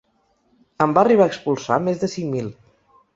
En va arribar a expulsar més de cinc mil.